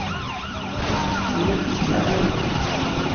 Tella tetteg aɣan-nnes.